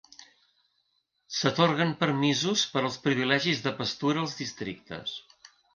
S'atorguen permisos per als privilegis de pastura als districtes.